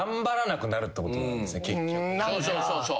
そうそうそうそう。